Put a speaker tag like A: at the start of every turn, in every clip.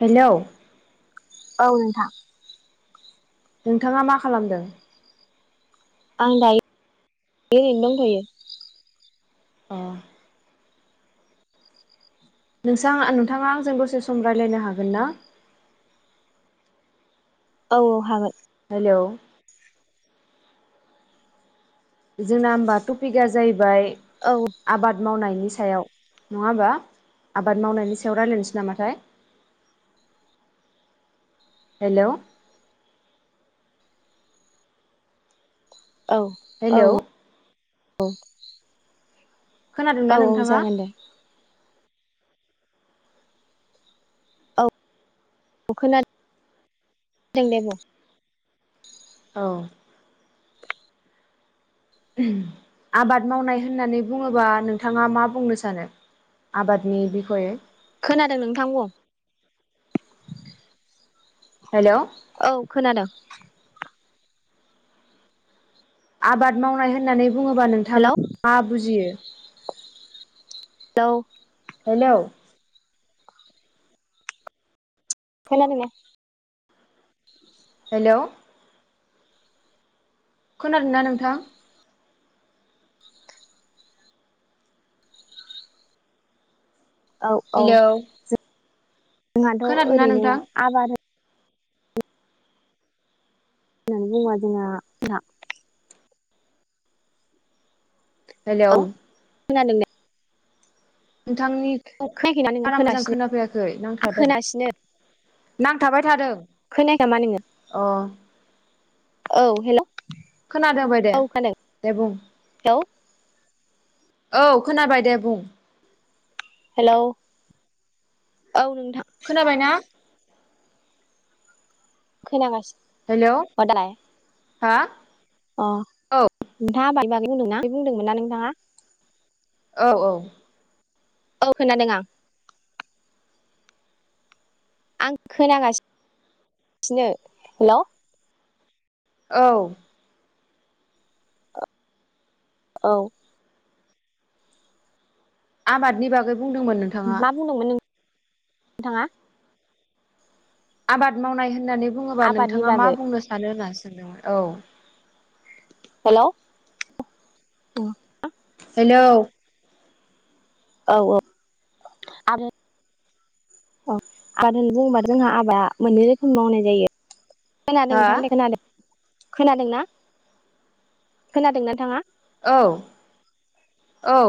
A: हेल'
B: औ नोंथां
A: नोंथाङा मा खालामदों
B: आं दायो ओरैनो दंथयो
A: अ नोंसां नोंथाङा आंजों दसे सम राय्लायनो हागोन ना
B: औ औ हागोन
A: हेलौ जोंना होमबा टपिकआ जाहैबाय
B: औ
A: आबाद मावनायनि नि सायाव नङा होमबा आबाद मावनायनि सायाव रायज्लायनोसै नामाथाय हेलौ
B: औ औ
A: हेलौ
B: औ औ
A: खोनादोंना नोंथाङा?
B: जागोन दे अ खोनादों दे बुं।
A: औ आबाद मावनाय होननानै बुङोबा नोंथाङा मा बुंनो सानो आबादनि बिखयै?
B: खोनादों नोंथां बुं।
A: हेल'
B: औ खोनादों।
A: आबाद मावनाय होननानै बुङोबा
B: हेलौ
A: नोंथाङा मा बुजियो?
B: हेलौ
A: हेलौ
B: खोना दोंना?
A: हेल' खोनादों ना नोंथां?
B: औ औ
A: हेलौ
B: जों जोंहाथ'
A: खोनादोंना
B: ओरैनो
A: नोंथां
B: आबाद नानै बुंबा जोंना
A: हेलौ
B: औ खोनादों ना?
A: नोंथांनिखौ
B: खोनायाखैना नोङो
A: बारा मोजां
B: खोनासिनो
A: खोनाफैयाखै
B: आं
A: नांथाबादों
B: खोनासिनो
A: नांथाबाय थादों
B: खोनायाखै नामा नोङो
A: अ
B: औ हेल'
A: खोनादों बाय दे दे बुं।
B: हेलौ
A: औ खोनाबाय दे बुं।
B: हेल' औ नोंथां
A: खोनाबायना
B: खोनागासिनो।
A: हेलौ हा
B: अह
A: औ
B: नोंथाङा आबादनि बागै बे बुंदोंमोनना बे बुंदोंमोन ना नोंथाङा?
A: औ औ
B: औ खोनादों आं। आं खोनागासिनो हेल'
A: औ
B: औ
A: आबादनि बागै बुंदोंमोन नोंथाङा।
B: मा बुंदोंमोन नोंथाङा?
A: आबाद मावनाय होननानै बुङोबा
B: आबादनि
A: नोंथाङा मा
B: बागै
A: बुंनो सानो होनास औ
B: हेलौ
A: हेलौ
B: औ औ आरो औ आरो होननानै बुङोबा जोंहा आबाद मोननै रोखोम मावनाय जायो । खोनादों
A: हा
B: नोंथां दे खोनादों । खोनादों ना खोनादों नोंथाङा?
A: औ औ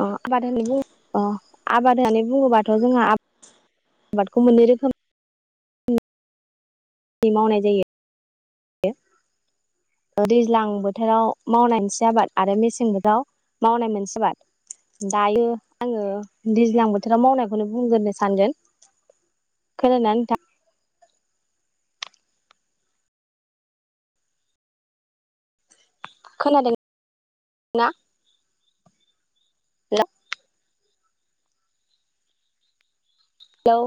B: अ आबाद होननानै बुं अ आबाद होननानै बुङोबाथ जोंहा आबादखौ मोननै रोखोम नि मावनाय जायो दैज्लां बोथोराव मावनाय मोनसे आबाद आरो मेसें बोथोराव मावनाय मोनसे आबाद दायो आंङो दैज्लां बोथोराव मावनायखौनो बुंग्रोनो सानगोन खोनादोंना नोंथां? खोनादों ना? Hello hello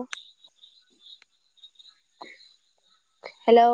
B: hello